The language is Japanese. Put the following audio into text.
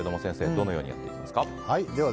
どのようにやっていきますか。